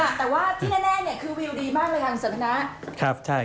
เอาล่ะแต่ว่าที่แน่คือวิวดีมากเลยหรือครับสำนัก